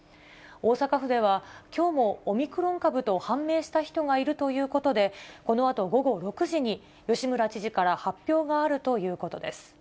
大阪府では、きょうもオミクロン株と判明した人がいるということで、このあと午後６時に、吉村知事から発表があるということです。